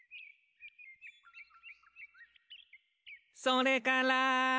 「それから」